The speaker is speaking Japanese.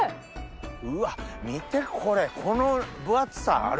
うわっ見てこれこの分厚さある？